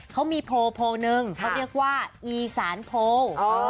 เขามีโพลนึงเขาเรียกว่าอีสานโพล